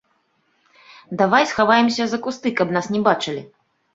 Давай схаваемся за кусты, каб нас не бачылі.